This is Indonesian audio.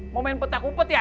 mau main peta kumpet ya